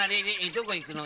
どこいくの？